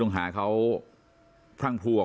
หนูจะให้เขาเซอร์ไพรส์ว่าหนูเก่ง